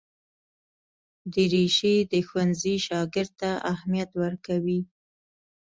دریشي د ښوونځي شاګرد ته اهمیت ورکوي.